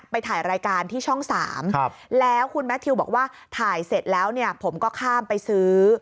ไปถ่ายรายการที่ช่อง๓แล้วคุณแมททิวบอกว่าถ่ายเสร็จแล้วเนี่ยผมก็ข้ามไปซื้อ